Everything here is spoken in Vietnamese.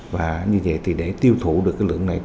và như vậy thì để tiêu thụ được cái lượng này